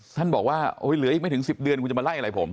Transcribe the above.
ท่านบอกว่าเหลืออีกไม่ถึง๑๐เดือนคุณจะมาไล่อะไรผม